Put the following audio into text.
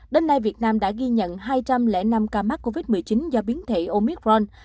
đến nay việt nam đã ghi nhận hai trăm linh năm ca mắc covid một mươi chín do biến thể omicron